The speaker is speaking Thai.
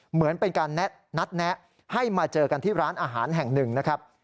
เหมือนเป็นการนัดแนะให้มาเจอกันที่ร้านอาหารแห่งหนึ่งนะครับ